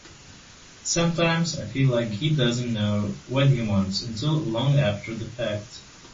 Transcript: Sometimes I feel like he doesn’t know what he wants until long after the fact.